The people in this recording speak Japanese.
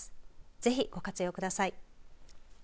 ぜひご活用ください。